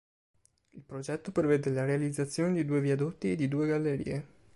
Il progetto prevede la realizzazione di due viadotti e di due gallerie.